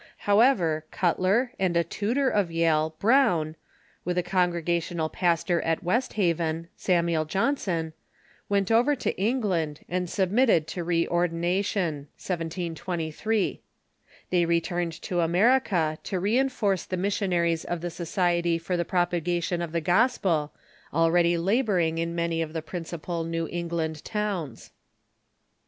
However, Cutler and a tutor of Yale, Brown, with a Congre gational pastor at West Haven, Samuel Johnson, went over to England and submitted to reordination (1723). They returned to America to reinforce the missionaries of the Society for the Propagation of the Gospel, already laboring in many of the principal New England towns.